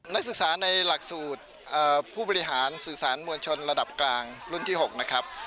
นักศึกษาในหลักสูตรผู้บริหารสื่อสารมวลชนระดับกลางรุ่นที่๖นะครับ